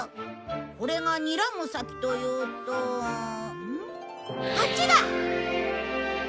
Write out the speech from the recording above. これがにらむ先というとあっちだ！